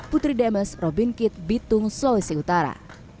putri demes robin kit bitung sulawesi utara